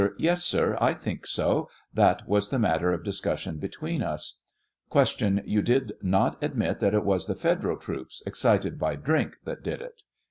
Yes, sir; T think so; that was the matter of dis cussion between us. Q. You did not admit that it was thfe Federal troops, excited by drink, that did it